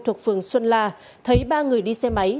thuộc phường xuân la thấy ba người đi xe máy